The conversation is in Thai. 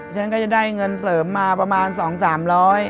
ฉันก็จะได้เงินเสริมมาประมาณ๒๓๐๐บาท